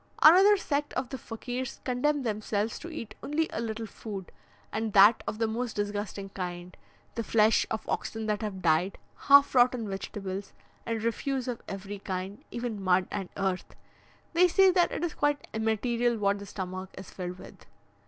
Another sect of the Fakirs condemn themselves to eat only a little food, and that of the most disgusting kind: the flesh of oxen that have died, half rotten vegetables, and refuse of every kind, even mud and earth; they say that it is quite immaterial what the stomach is filled with.